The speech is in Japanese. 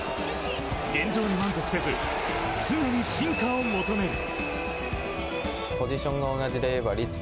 現状に満足せず常に進化を求める。